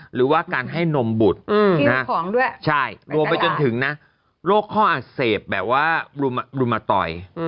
หรือว่าการให้นมบุตรของด้วยใช่รวมไปจนถึงนะโรคข้ออักเสบแบบว่ารุมตอย